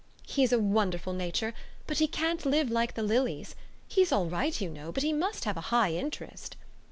"He's a wonderful nature, but he can't live like the lilies. He's all right, you know, but he must have a high interest."